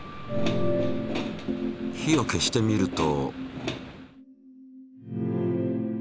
火を消してみると。